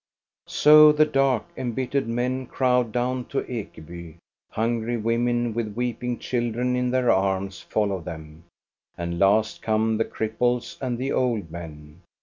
So the dark, embittered men crowd down to Ekeby; hungry women with weeping children in their arms follow them; and last come the cripples and the old men.